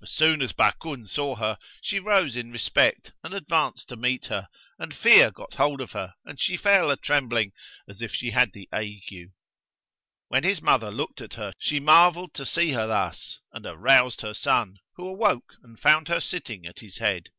As soon as Bakun saw her, she rose in respect and advanced to meet her, and fear get hold of her and she fell a trembling, as if he had the ague. When his mother looked at her she marvelled to see her thus and aroused her son, who awoke and found her sitting at his head.